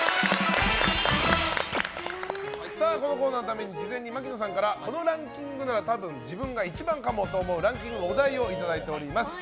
このコーナーのために事前に槙野さんからこのランキングなら多分、自分が一番かもというランキングのお題をいただいております。